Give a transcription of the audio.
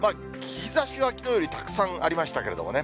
日ざしはきのうよりたくさんありましたけれどもね。